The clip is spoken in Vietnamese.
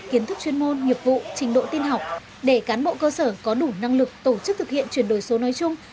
kiến thức chuyên môn nghiệp vụ trình độ tin học để cán bộ cơ sở có đủ năng lực tổ chức thực hiện chuyển đổi số nói chung